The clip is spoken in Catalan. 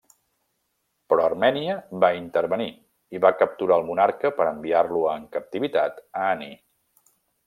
Però Armènia va intervenir i va capturar el monarca per enviar-lo en captivitat a Ani.